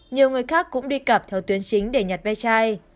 nhiều người khác cũng đi cặp theo tuyến chính để nhặt ve chai